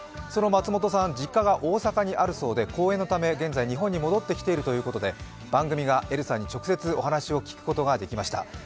その松本さん、実家が大阪にあるそうで、公演のため現在日本に戻ってきているということで番組がエルさんに直接お話を聞くことができました。